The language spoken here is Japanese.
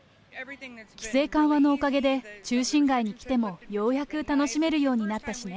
規制緩和のおかげで、中心街に来てもようやく楽しめるようになったしね。